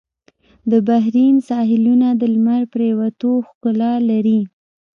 د بحرین ساحلونه د لمر پرېوتو ښکلا لري.